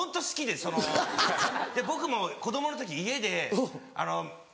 で僕も子供の時家であの。